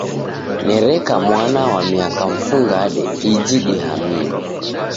Nereka mwana wa miaka mfungade iji dihamie.